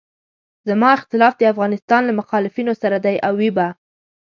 زما اختلاف د افغانستان له مخالفینو سره دی او وي به.